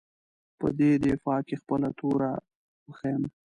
په دې دفاع کې خپله توره وښیيم.